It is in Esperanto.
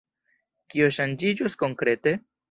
Kio ŝanĝiĝos konkrete?